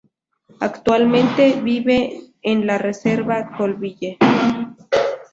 Actualmente viven en la reserva Colville.